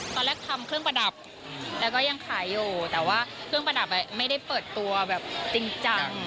ตอนแรกทำเครื่องประดับแล้วก็ยังขายอยู่แต่ว่าเครื่องประดับไม่ได้เปิดตัวแบบจริงจัง